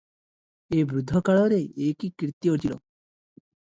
ଏ ବୃଦ୍ଧକାଳରେ ଏ କି କୀର୍ତ୍ତି ଅର୍ଜିଲ ।